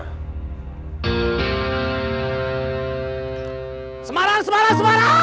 semarang semarang semarang